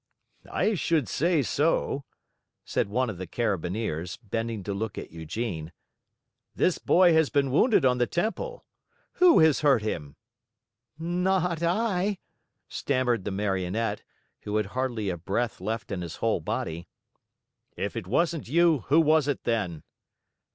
"I should say so," said one of the Carabineers, bending to look at Eugene. "This boy has been wounded on the temple. Who has hurt him?" "Not I," stammered the Marionette, who had hardly a breath left in his whole body. "If it wasn't you, who was it, then?"